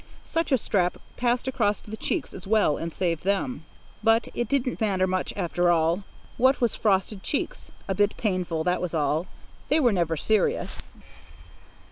Such a strap passed across the cheeks, as well, and saved them. But it didn't matter much, after all. What were frosted cheeks? A bit painful, that was all; they were never serious.